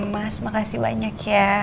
mas makasih banyak ya